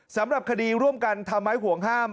สำหรับคดีร่วมกันทำให้ห่วงห้าม